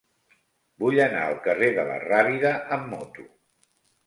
Vull anar al carrer de la Rábida amb moto.